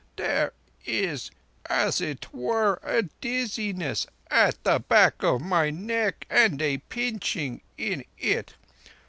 "There is, as it were, a dizziness at the back of my neck, and a pinching in it.